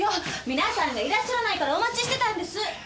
皆さんがいらっしゃらないからお待ちしてたんです。